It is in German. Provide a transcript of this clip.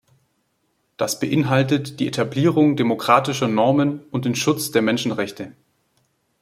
Das beinhaltet die Etablierung demokratischer Normen und den Schutz der Menschenrechte.